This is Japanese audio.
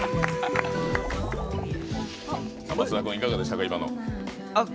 松田君、いかがでしたか？